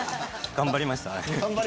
頑張りました。